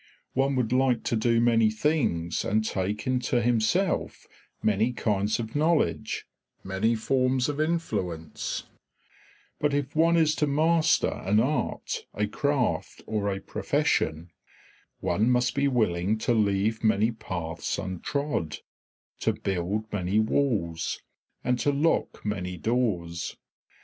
One would like to do many things and take into himself many kinds of knowledge, many forms of influence; but if one is to master an art, a craft, or a profession, one must be willing to leave many paths untrod, to build many walls, and to lock many doors.